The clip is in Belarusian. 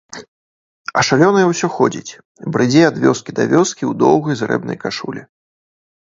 А шалёная ўсё ходзіць, брыдзе ад вёскі да вёскі ў доўгай зрэбнай кашулі.